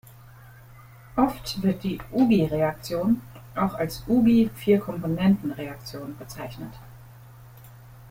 Oft wird die Ugi-Reaktion auch als Ugi-Vierkomponentenreaktion bezeichnet.